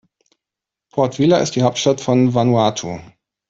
Port Vila ist die Hauptstadt von Vanuatu.